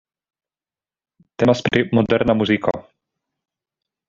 Temas pri Moderna muziko.